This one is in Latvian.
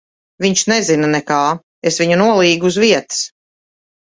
Viņš nezina nekā. Es viņu nolīgu uz vietas.